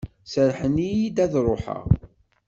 Serrḥen-iyi ad d-ruḥeɣ.